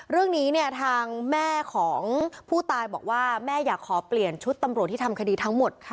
เรื่องนี้เนี่ยทางแม่ของผู้ตายบอกว่าแม่อยากขอเปลี่ยนชุดตำรวจที่ทำคดีทั้งหมดค่ะ